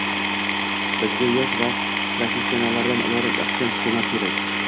Bizga yosh va professionallardan iborat ixcham hukumat kerak